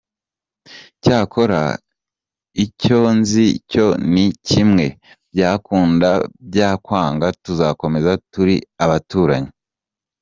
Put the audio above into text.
Cyakora icyo nzi cyo ni Kimwe, byakunda byakwanga tuzakomeza turi abaturanyi.